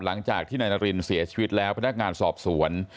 หลังจากที่นายนารินเสียชีวิตแล้วพนักงานสอบสวน